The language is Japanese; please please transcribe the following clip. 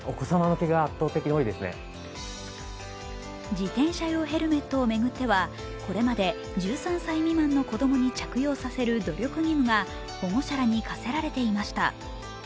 自転車用ヘルメットを巡ってはこれまで１３歳未満の子供に着用させる努力義務が保護者らに課せられていました。